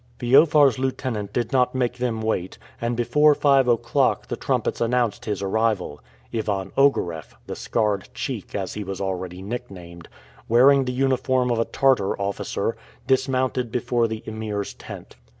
Feofar's lieutenant did not make them wait, and before five o'clock the trumpets announced his arrival. Ivan Ogareff the Scarred Cheek, as he was already nick named wearing the uniform of a Tartar officer, dismounted before the Emir's tent.